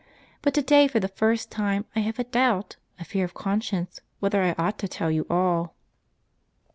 But to day, for the first time, I have a doubt, a fear of conscience, whether I ought to tell you all."